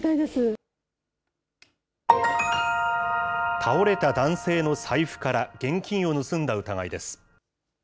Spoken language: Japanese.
倒れた男性の財布から現金を盗んだ疑いです。